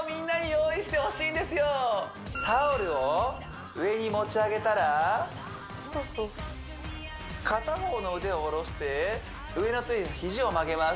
本日タオルを上に持ち上げたら片方の腕を下ろして上の手肘を曲げます